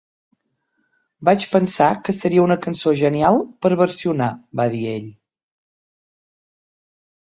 "Vaig pensar que seria una cançó genial per versionar", va dir ell.